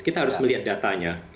kita harus melihat datanya